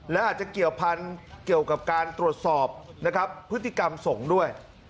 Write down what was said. และอาจจะเกี่ยวพันธุ์เกี่ยวกับการตรวจสอบนะครับพฤติกรรมสงฆ์ด้วย